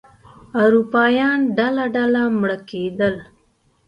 اروپایان ډله ډله مړه کېدل.